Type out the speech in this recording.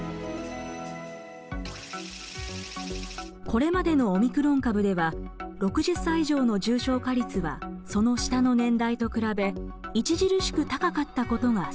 これまでのオミクロン株では６０歳以上の重症化率はその下の年代と比べ著しく高かったことが知られています。